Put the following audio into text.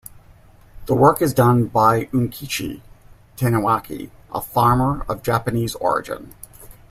The work is done by Unkichi Taniwaki, a farmer of Japanese origin.